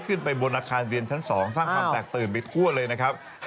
ขึ้นไปบนอาคารเรียนชั้น๒สร้างความแตกตื่นไปทั่วเลยนะครับ